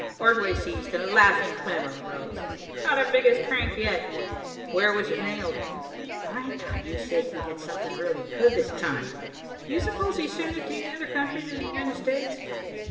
Ordway ceased and a laughing clamor rose. "The biggest crank yet." "Where was it mailed?" "I thought you said you had something really good this time." "Do you suppose he sent it to any other country than the United States?"